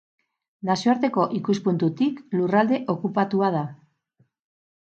Nazioarteko ikuspuntutik, lurralde okupatua da.